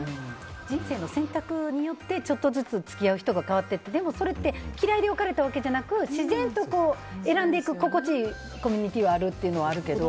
人生の選択によってちょっとずつ付き合う人が変わっていって、でもそれって嫌いで別れたわけじゃなくて自然で選んでいく心地いいコミュニティーがあるっていうのはあるけど。